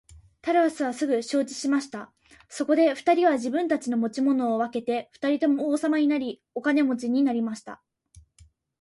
タラスはすぐ承知しました。そこで二人は自分たちの持ち物を分けて二人とも王様になり、お金持になりました。